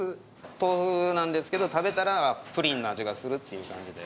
豆腐なんですけど、食べたらプリンの味がするっていう感じで。